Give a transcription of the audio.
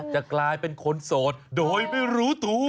จะกลายเป็นคนโสดโดยไม่รู้ตัว